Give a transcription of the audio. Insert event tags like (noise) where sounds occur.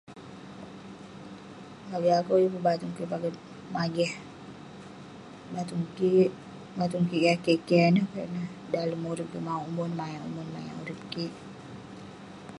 Bagik akouk ayuk batung kik paget mageh, batung kik- batung kik yah keh keh ineh. Dalem urip maok (unintelligible)